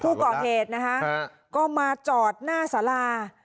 ผู้ก่อเหตุนะคะก็มาจอดหน้าสารา